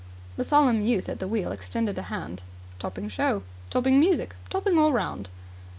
The solemn youth at the wheel extended a hand. "Topping show. Topping music. Topping all round."